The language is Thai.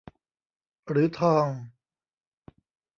หรือทอง